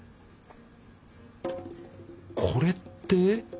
これって？